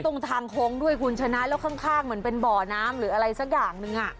ตรงทางโค้งด้วยคุณชนะแล้วข้างเหมือนเป็นบ่อน้ำหรืออะไรสักอย่างหนึ่งอ่ะ